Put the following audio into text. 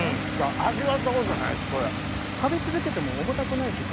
味わったことないですこれ。